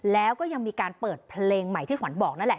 แล้วก็ยังมีการเปิดเพลงใหม่ที่ขวัญบอกนั่นแหละ